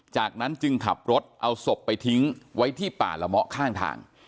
จากนั้นจึงขับรถเอาศพไปทิ้งไว้ที่ป่าละเมาะข้างทาง